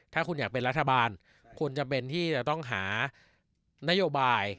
ถ้าคุณอยากเป็นรัฐบาลคุณจำเป็นที่จะต้องหานโยบาย